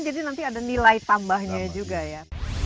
jadi nanti ada nilai tambahnya juga ya